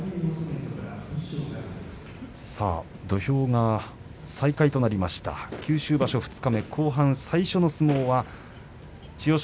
土俵が再開となりました九州場所二日目後半戦最初の相撲は千代翔